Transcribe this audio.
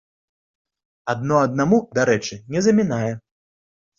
Адно аднаму, дарэчы, не замінае.